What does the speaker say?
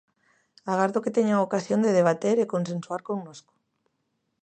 Agardo que teñan ocasión de debater e consensuar connosco.